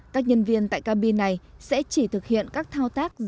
các nhân viên tại cabin này sẽ chỉ thực hiện các thao tác thủ công